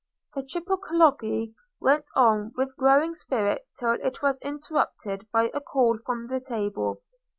The triple colloquy went on with growing spirit till it was interrupted by a call from the table.